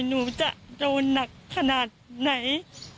หนูจะโดนหนักขนาดไหน